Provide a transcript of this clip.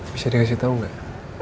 bisa dikasih tau gak